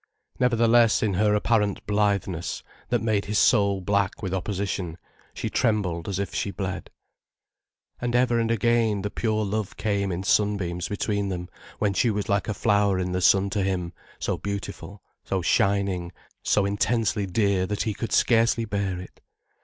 Nevertheless in her apparent blitheness, that made his soul black with opposition, she trembled as if she bled. And ever and again, the pure love came in sunbeams between them, when she was like a flower in the sun to him, so beautiful, so shining, so intensely dear that he could scarcely bear it.